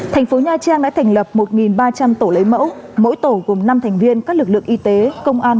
thành phố nha trang đã thành lập một ba trăm linh tổ lấy mẫu mỗi tổ gồm năm thành viên các lực lượng y tế công an